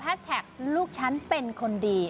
แท็กลูกฉันเป็นคนดี